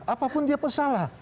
apapun dia pesalah